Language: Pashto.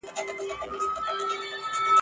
په یو ځای کې ولولي او ترې ګټه واخلي